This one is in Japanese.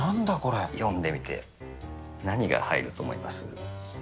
読んでみて、何が入ると思います？